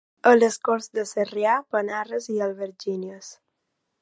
A les Corts de Sarrià, panarres i albergínies.